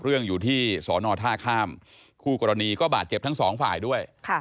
เรื่องอยู่ที่สอนอท่าข้ามคู่กรณีก็บาดเจ็บทั้งสองฝ่ายด้วย